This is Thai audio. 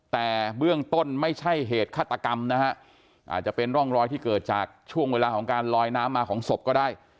แต่เบื้องต้นไม่ใช่เหตุฆาตกรรมนะฮะอาจจะเป็นร่องรอยที่เกิดจากช่วงเวลาของการลอยน้ำมาของศพก็ได้